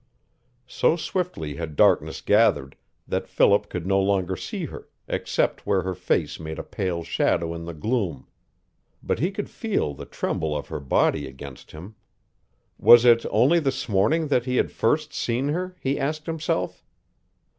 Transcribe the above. So swiftly had darkness gathered that Philip could no longer see her, except where her face made a pale shadow in the gloom, but he could feel the tremble of her body against him. Was it only this morning that he had first seen her, he asked himself?